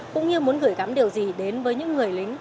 cũng như muốn gửi gắm điều gì đến với những người lính